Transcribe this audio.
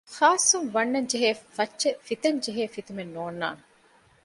ޚާއްސުން ވަންނަން ޖެހޭ ފައްޗެއް ފިތެން ޖެހޭ ފިތުމެއް ނޯންނާނެ